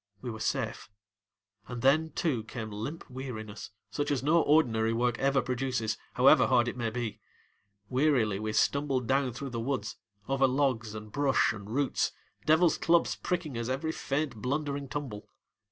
We were safe, and then, too, came limp weariness such as no ordinary work ever produces, however hard it may be. Wearily we stumbled down through the woods, over logs and brush and roots, devilŌĆÖs clubs pricking us at every faint blundering tumble.